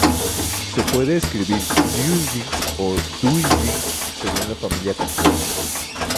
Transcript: Se puede escribir 臼井 o 碓井, según la familia concreta.